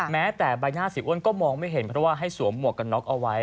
แม้แต่ใบหน้าเสียอ้วนก็มองไม่เห็นเพราะว่าให้สวมหมวกกันน็อกเอาไว้